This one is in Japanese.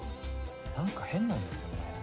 なんか変なんですよね。